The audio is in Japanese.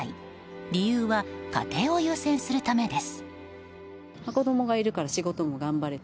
理由は家庭を優先するためです。